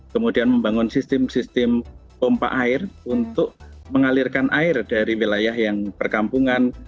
kemudian membangun sistem sistem pompa air untuk mengalirkan air dari wilayah yang perkampungan